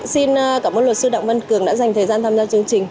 xin cảm ơn luật sư đặng văn cường đã dành thời gian tham gia chương trình